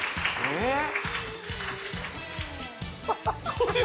えっ？